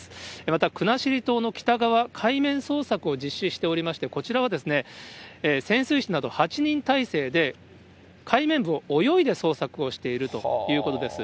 また国後島の北側、海面捜索を実施しておりまして、こちらはですね、潜水士など８人態勢で海面部を泳いで捜索をしているということです。